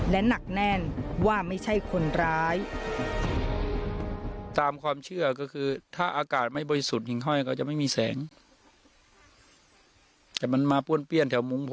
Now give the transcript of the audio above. และหนักแน่นว่าไม่ใช่คนร้าย